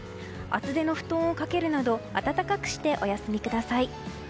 厚手の布団をかけるなど暖かくしてお休みください。